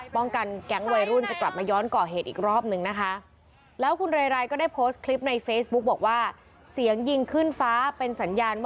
แก๊งวัยรุ่นจะกลับมาย้อนก่อเหตุอีกรอบนึงนะคะ